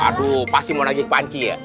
aduh pasti mau najik panci ya